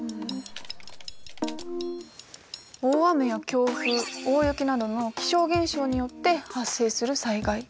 大雨や強風大雪などの気象現象によって発生する災害。